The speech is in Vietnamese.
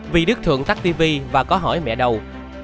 vị đức thượng tắt tivi và có hỏi mẹ đâu